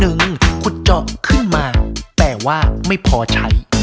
ขุดเจาะขึ้นมาแต่ว่าไม่พอใช้